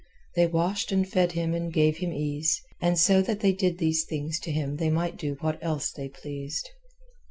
They washed and fed him and gave him ease; and so that they did these things to him they might do what else they pleased.